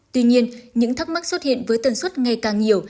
tuy nhiên những thắc mắc xuất hiện với tần suốt ngày càng nhiều